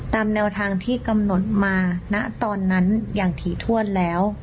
ตามแนวทางที่กำหนดมาณตอนนั้นอย่างถี่ถ้วนแล้ว